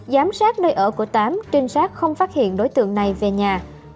giám sát nơi ở của tám trinh sát không phát hiện đối tượng này về nhà